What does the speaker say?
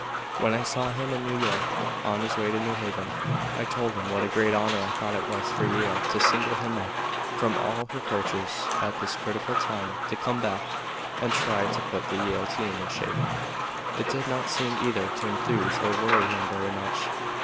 When I saw him in New York, on his way to New Haven, I told him what a great honor I thought it was for Yale to single him out from all her coaches at this critical time to come back and try to put the Yale team in shape. It did not seem either to enthuse or worry him very much.